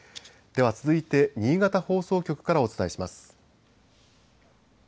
では、続いて新潟放送局からお伝えします。